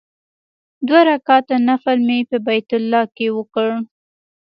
دوه رکعاته نفل مې په بیت الله کې وکړ.